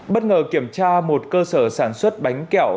bất ngờ kiểm tra một cơ sở sản xuất bánh kẹo